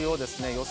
予想